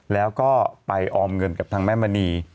แล้วก็ไปออมเงินกับทางแม่มณี